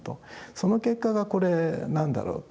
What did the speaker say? その結果がこれなんだろうと。